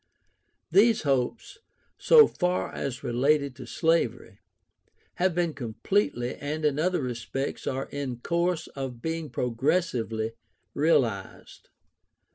These hopes, so far as related to slavery, have been completely, and in other respects are in course of being progressively realized.